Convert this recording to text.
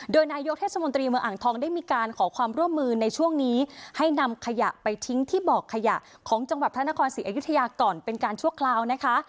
โดยนายกเทศมนตรีเมืองอ่างทองได้มีการขอความร่วมมือในช่วงนี้ให้นำขยะไปทิ้งที่บอกขยะของจังหวัดพระนครศรีอยุธยาก่อนเป็นการชั่วคราวนะคะ